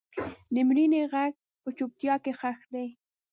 د مړینې غږ په چوپتیا کې ښخ دی.